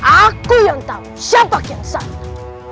aku yang tahu siapa kian santa